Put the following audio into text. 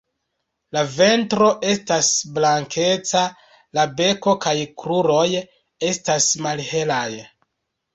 La ventro estas blankeca, la beko kaj kruroj estas malhelaj.